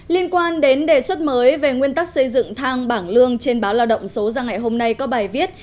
liên quan đến đề xuất mới về nguyên tắc xây dựng thang bảng lương trên báo lao động số ra ngày hôm nay có bài viết